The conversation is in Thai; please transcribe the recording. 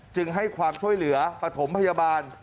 จึงให้ความช่วยเหลือปฐมพยาบาล